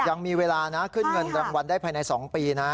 ยังมีเวลานะขึ้นเงินรางวัลได้ภายใน๒ปีนะ